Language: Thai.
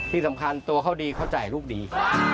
ที่สำคัญตัวเขาดีเขาจ่ายลูกดี